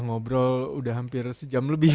ngobrol udah hampir sejam lebih